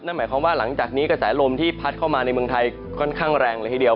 หมายความว่าหลังจากนี้กระแสลมที่พัดเข้ามาในเมืองไทยค่อนข้างแรงเลยทีเดียว